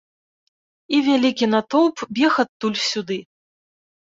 І вялікі натоўп бег адтуль сюды.